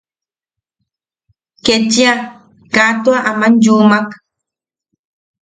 Ketchia ka tua aman yuman.